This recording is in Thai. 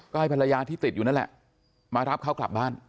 ก็ให้ภรรยาที่ติดอยู่นั่นแหละมารับเขากลับบ้าน